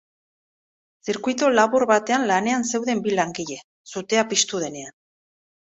Zirkuitu labur batean lanean zeuden bi langile, sutea piztu denean.